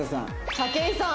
武井さん。